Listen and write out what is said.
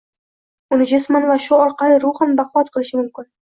uni jisman va shu orqali ruhan baquvvat qilishi mumkin.